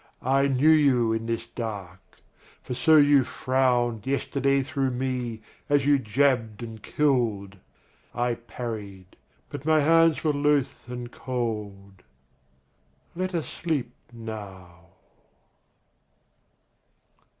I knew you in this dark; for so you frowned Yesterday through me as you jabbed and killed. I parried; but my hands were loath and cold. Let us sleep now